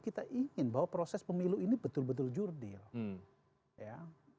kita ingin bahwa proses pemilu ini betul betul jurdil